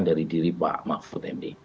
dari diri pak mahfud md